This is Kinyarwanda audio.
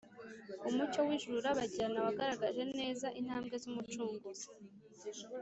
, umucyo w’ijuru urabagirana wagaragaje neza intambwe z’Umucunguzi